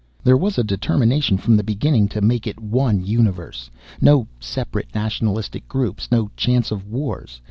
"There was a determination from the beginning to make it one universe. No separate nationalistic groups, no chance of wars.